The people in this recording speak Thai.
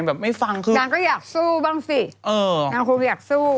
ไม่ฟังคือนางก็อยากสู้บ้างสิเออนางคงอยากสู้